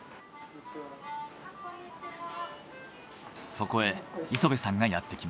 そこへ磯部さんがやってきました。